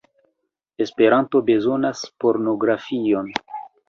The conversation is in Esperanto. Esperanto bezonas pornografion